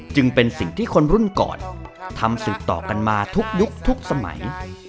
จึงเป็นสิ่งที่คนรุ่นก่อนทำสืบต่อกันมาทุกยุคทุกสมัย